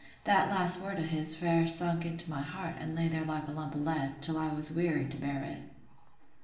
That last word o' his fair sunk into my heart, an' lay there like a lump o' lead, till I was weary to bear it.